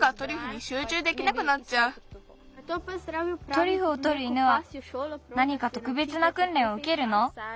トリュフをとる犬はなにかとくべつなくんれんをうけるの？